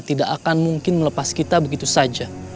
tidak akan mungkin melepas kita begitu saja